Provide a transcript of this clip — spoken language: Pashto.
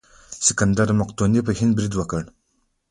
سکندر مقدوني په هند برید وکړ.